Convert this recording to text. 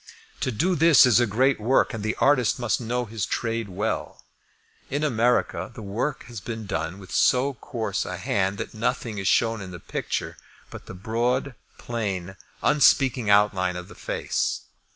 To do this is a great work, and the artist must know his trade well. In America the work has been done with so coarse a hand that nothing is shown in the picture but the broad, plain, unspeaking outline of the face.